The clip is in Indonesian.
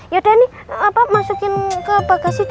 yaudah nih masukin ke bagasi deh